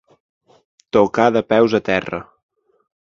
Tocar de peus a terra.